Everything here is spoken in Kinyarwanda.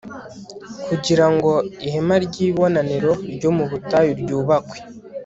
kugira ngo ihema ry'ibonaniro ryo mu butayu ryubakwe